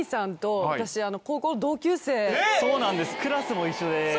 クラスも一緒で。